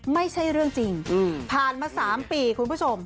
ไม่ใช่เรื่องจริงผ่านมา๓ปีคุณผู้ชม